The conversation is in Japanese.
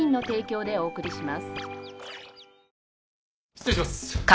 失礼します。